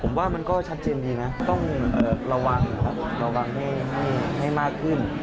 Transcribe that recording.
ผมว่ามันก็ชัดเจนดีนะต้องระวังครับระวังให้มากขึ้น